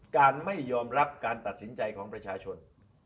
การไม่ยอมรับการตัดสินใจของประชาชน